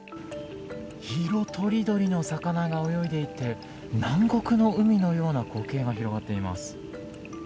色とりどりの魚が泳いでいて南国の海のような光景が広がっています。